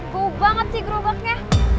bau banget sih gerobaknya